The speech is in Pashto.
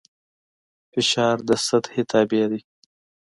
فشار د سطحې تابع دی.